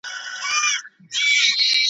د صحت قدر رنځور پېژني ,